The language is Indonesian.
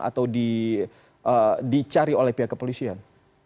atau dicari oleh pihak kepolisian